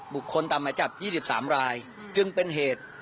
ตามหมายจับ๒๓รายจึงเป็นเหตุ